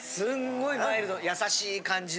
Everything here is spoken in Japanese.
優しい感じの。